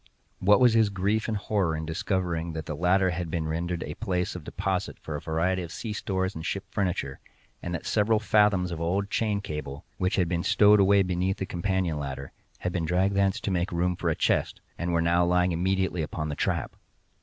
What was his grief and horror in discovering that the latter had been rendered a place of deposit for a variety of sea stores and ship furniture, and that several fathoms of old chain cable, which had been stowed away beneath the companion ladder, had been dragged thence to make room for a chest, and were now lying immediately upon the trap!